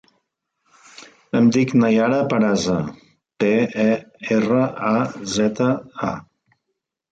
Em dic Naiara Peraza: pe, e, erra, a, zeta, a.